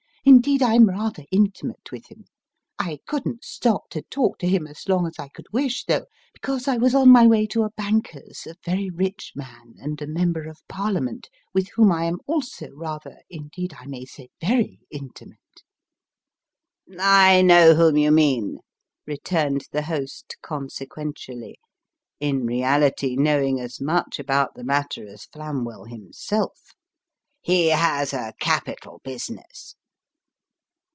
Indeed, I'm rather intimate with him. I couldn't stop to talk to him as long as I could wish, though, because I was on my way to a banker's, a very rich man, and a Member of Parliament, with whom I am also rather, indeed I may say very, intimate." The Dinner Party. 275 " I know whom you mean," returned tbe host, consequentially in reality knowing as much about the matter as Flamwell himself. " Ho has a capital business."